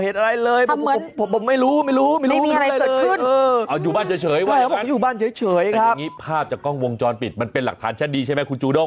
อย่างนี้ภาพจากกล้องวงจรปิดมันเป็นหลักฐานชั้นดีใช่ไหมคุณจูด้ง